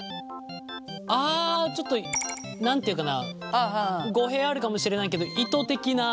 ああちょっと何て言うかな語弊あるかもしれないけど糸的な。